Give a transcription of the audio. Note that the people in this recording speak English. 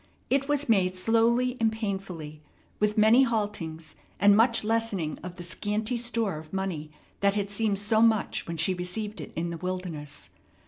It was made slowly and painfully, with many haltings and much lessening of the scanty store of money that had seemed so much when she received it in the wilderness.